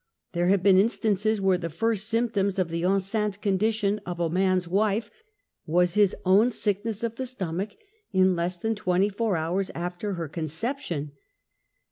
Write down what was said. There have been instances where the first symptom of the enceinte condition of a man's wife was his own sickness of the stomach in less than twentj^ four hours after her conception.